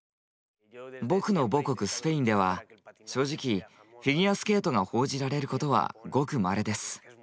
僕の母国スペインでは正直フィギュアスケートが報じられることはごくまれです。